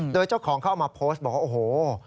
โดยเจ้าของเขาเอามาโพสต์บอกว่าโอ้โห